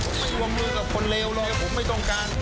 ผมไม่วงมือกับคนเลวเลยผมไม่ต้องการ